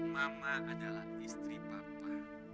mama adalah istri papa